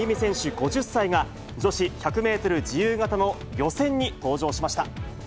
５０歳が、女子１００メートル自由形の予選に登場しました。